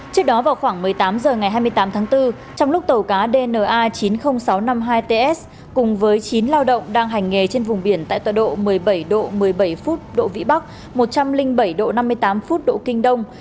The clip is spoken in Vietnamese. trước đó vào khoảng một mươi tám h ngày hai mươi tám tháng bốn trong lúc tàu cá dna chín mươi nghìn sáu trăm năm mươi hai ts cùng với chín lao động đang hành nghề trên vùng biển tại tòa độ một mươi bảy độ một mươi bảy phút độ vĩ bắc một trăm linh bảy độ năm mươi tám phút độ kinh đông